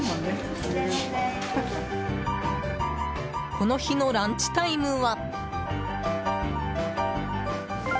この日のランチタイムは。